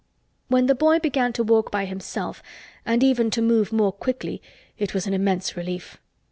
When the boy began to walk by himself and even to move more quickly it was an immense relief.